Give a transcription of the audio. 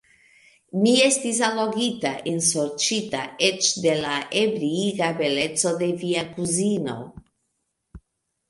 Mi estis allogita, ensorĉita eĉ de la ebriiga beleco de via kuzino.